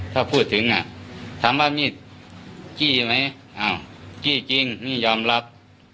ถ้าผู้ถึงอ่านธรรมนีสี้ไหมอ้าวจ้างจริงยอมรับ